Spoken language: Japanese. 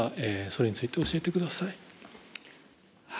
それについて教えてください。